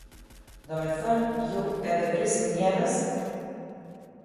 Domëthënë, ju edhe vrisni njerëz?